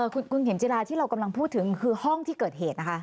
คุณเข็มจิราที่เรากำลังพูดถึงคือห้องที่เกิดเหตุนะคะ